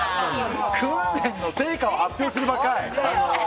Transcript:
訓練の成果を発表する場かい！